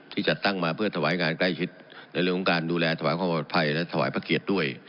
จัดตั้งมาเพื่อถวายงานใกล้ชิดในเรื่องของการดูแลถวายความปลอดภัยและถวายพระเกียรติด้วย